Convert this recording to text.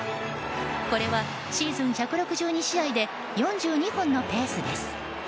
これは、シーズン１６２試合で４２本のペースです。